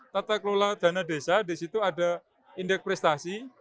tata kelola dana desa di situ ada indeks prestasi